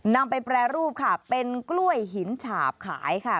นำไปแปรรูปค่ะเป็นกล้วยหินฉาบขายค่ะ